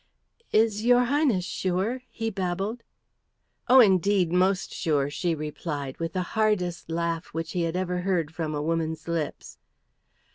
"Is your Highness sure?" he babbled. "Oh, indeed, most sure," she replied with the hardest laugh which he had ever heard from a woman's lips.